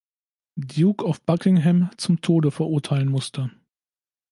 Duke of Buckingham, zum Tode verurteilen musste.